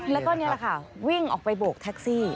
และก็แบบนี้ค่ะวิ่งออกไปโบกแท็กซี่